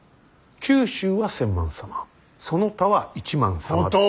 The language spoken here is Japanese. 九州は千幡様その他は一幡様で。